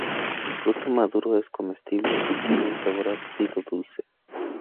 El fruto maduro es comestible y tiene un sabor ácido dulce.